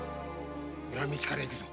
裏道から行くぞ。